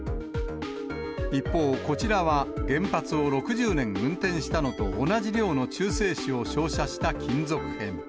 一方、こちらは原発を６０年運転したのと同じ量の中性子を照射した金属片。